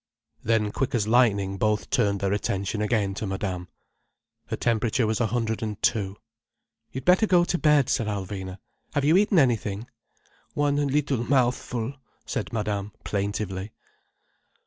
Then quick as lightning both turned their attention again to Madame. Her temperature was a hundred and two. "You'd better go to bed," said Alvina. "Have you eaten anything?" "One little mouthful," said Madame plaintively.